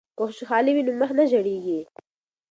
که خوشحالی وي نو مخ نه ژیړیږي.